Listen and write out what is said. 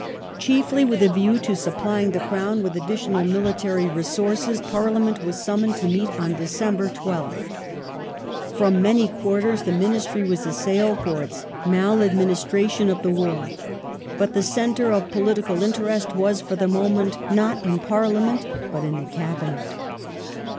Parlia Chiefly with a view to supplying the Crown with additional ment military resources Parliament was summoned to meet on December meets, *' D^i2th 12th. From many quarters the Ministry was assailed for its ^^ maladministration of the war. But the centre of political interest was, fori the moment, not in Parliament but in the Cabinet.